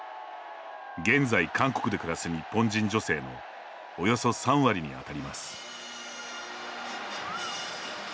現在韓国で暮らす日本人女性のおよそ３割に当たります。